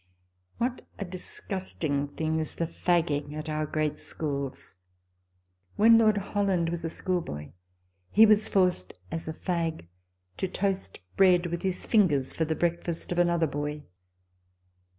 What a disgusting thing is the fagging at our great schools ! When Lord Holland was a school boy, he was forced, as a fag, to toast bread with his fingers for the breakfast of another boy.